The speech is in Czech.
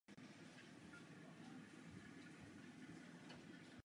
Zvláště u dětí může být onemocnění nebezpečné.